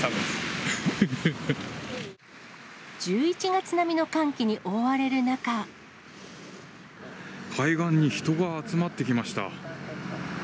１１月並みの寒気に覆われる海岸に人が集まってきました。